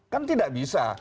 kan tidak bisa